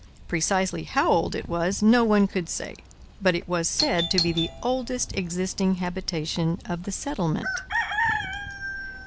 Precisely how old it was no one could say, but it was said to be the oldest existing habitation of the settlement.